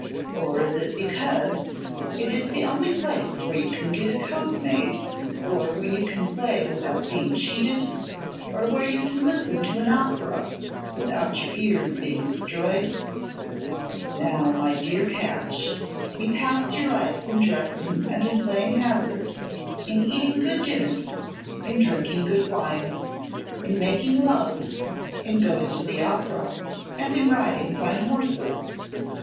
Or is it because it is the only place where you can get a coat made, or where you can play without being cheated, or where you can listen to an opera without your ears being destroyed? Now, my dear Catch, you pass your life in dressing and in playing hazard, in eating good dinners, in drinking good wines, in making love, in going to the opera, and in riding fine horses.